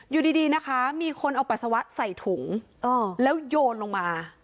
อยู่ดีนะคะมีคนเอาปัสสาวะใส่ถุงแล้วโยนลงมา